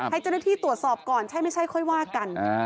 ให้เจ้าหน้าที่ตรวจสอบก่อนใช่ไม่ใช่ค่อยว่ากัน